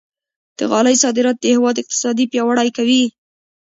د غالۍ صادرات د هېواد اقتصاد پیاوړی کوي.